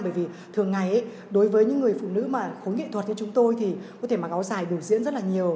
bởi vì thường ngày đối với những người phụ nữ mà khối nghệ thuật như chúng tôi thì có thể mà áo dài biểu diễn rất là nhiều